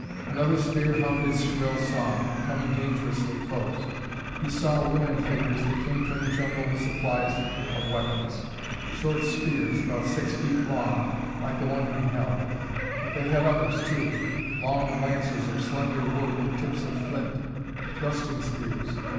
Another spear hummed its shrill song, coming dangerously close. He saw women figures that came from the jungle with supplies of weapons. Short spears, about six feet long, like the one he held. But they had others, too long lances of slender wood with tips of flint. Thrusting spears!